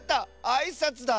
あいさつだ。